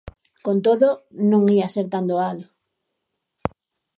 Con todo, non ía ser tan doado.